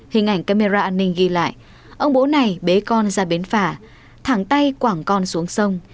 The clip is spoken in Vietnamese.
hình ảnh camera an ninh ghi lại ông bố này bế con ra bến phà thẳng tay quảng con xuống sông